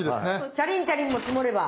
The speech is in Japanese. チャリンチャリンも積もれば。